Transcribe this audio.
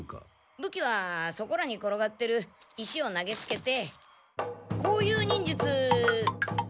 武器はそこらに転がってる石を投げつけてこういう忍術何でしたっけ？